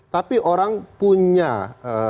tapi orang punya apa ya yang lebih mengedepankan